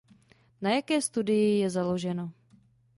Na jaké studii je založeno?